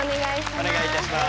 お願いいたします。